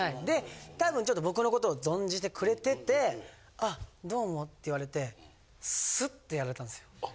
たぶんちょっと僕の事を存じてくれてて「あどうも」って言われてスッてやられたんですよ。